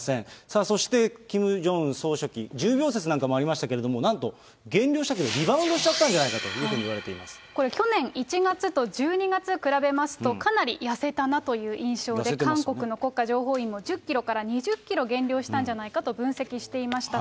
さあそして、キム・ジョンウン総書記、重病説なんかもありましたけど、なんと減量したけどリバウンドしちゃったんじゃないかといわれてこれ、去年１月と１２月を比べますと、かなり痩せたなという印象で、韓国の国家情報院も１０キロから２０キロ減量したんじゃないかと分析していました。